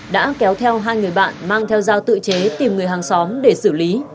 đã kéo theo hai người bạn mang theo dao tự chế tìm người hàng xóm để xử lý